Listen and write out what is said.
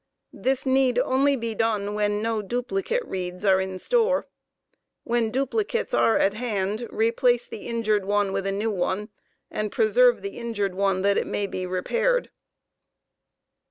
This need only be done when no duplicate reeds are in store. When duplicates are at hand, replace the injured one with a new one, and preserve the injured one, that it may be repaired.